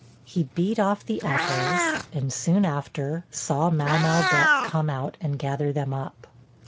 He beat off the apples, and soon after, saw Mau mau Bett come out and gather them up.